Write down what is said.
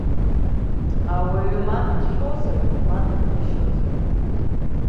Ауаҩ ма дшәозароуп, ма дыԥхашьозароуп.